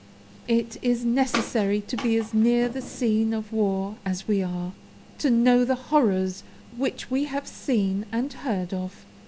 "It is necessary to be as near the scene of war as we are, to know the horrors which we have seen and heard of.